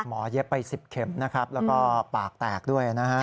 เย็บไป๑๐เข็มนะครับแล้วก็ปากแตกด้วยนะฮะ